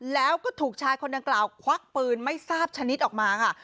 แล้วก็ถูกชายคนดังกล่าวควักปืนไม่ทราบชนิดออกมาค่ะ